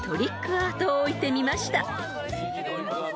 アートを置いてみました］